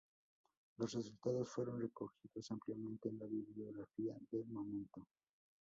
Los resultados fueron recogidos ampliamente en la bibliografía del momento.